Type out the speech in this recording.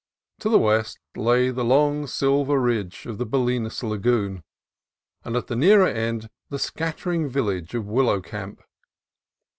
To the west lay the long silver reach of the Bolinas La goon, and at the nearer end the seattering village of Willow Camp.